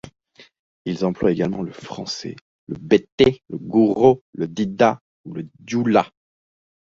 Ils emploient également le français, le bété, le gouro, le dida ou le dioula.